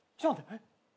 えっ？